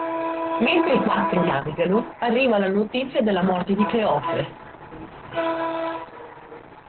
Mentre i quattro navigano, arriva la notizia della morte di Cleofe.